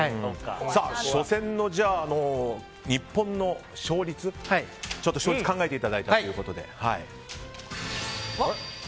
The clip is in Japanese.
初戦の日本の勝率考えていただいたということで。